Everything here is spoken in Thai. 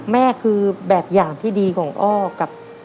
แม่คือแบบอย่างที่ดีของอ้อกับ